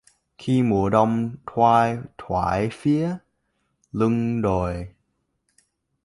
Khi mùa Đông thoai thoải phía lưng đồi